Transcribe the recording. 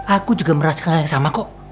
aku juga merasa nggak yang sama kok